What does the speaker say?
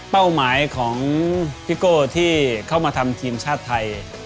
เป้าหมายของพี่โก้ที่เข้ามาทำทีมชาติไทย